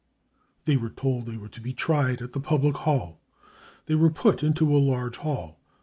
They were told they were to be tried at the public hall. They were put into the large hall.